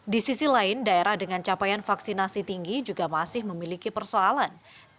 di sisi lain daerah dengan capaian vaksinasi tinggi juga masih memiliki persoalan